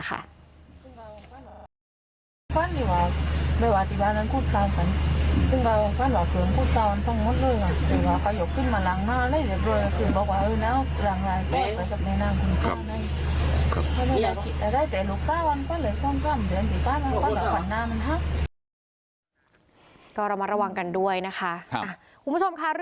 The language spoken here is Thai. ก็เรามาระวังกันด้วยนะคะ